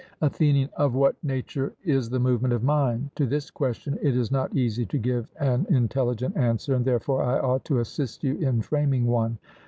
ATHENIAN: Of what nature is the movement of mind? To this question it is not easy to give an intelligent answer; and therefore I ought to assist you in framing one.